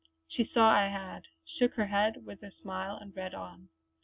She saw I had, shook her head with a smile, and read on.